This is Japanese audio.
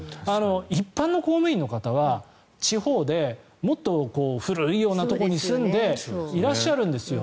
一般の公務員の方は地方でもっと古いようなところに住んでいらっしゃるんですよ。